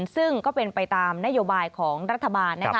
ซึ่งก็เป็นไปตามนโยบายของรัฐบาลนะคะ